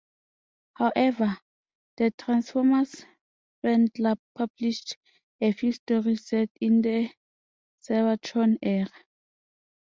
However, the Transformers Fan Club published a few stories set in the "Cybertron" era.